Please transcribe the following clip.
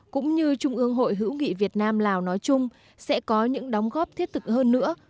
cũng như trung ương hội hữu nghị việt nam lào nói chung sẽ có những đóng góp thiết thực hơn nữa